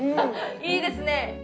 いいですね